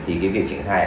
thì cái việc trình thai